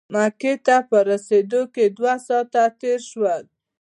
مکې ته په رسېدو کې دوه ساعته تېر شول.